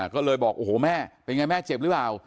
ก็เลยบอกโอ้โหแม่เป็นไงแม่เจ็บหรือเปล่า